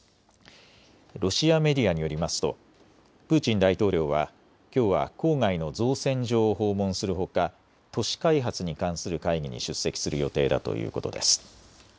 ロシアメディアによりますとプーチン大統領はきょうは郊外の造船所を訪問するほか都市開発に関する会議に出席する予定だということです。